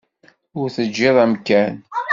Ur teǧǧiḍ amkan.